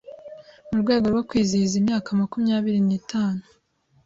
mu rwego rwo kwizihiza imyaka makumyabiri n’tanu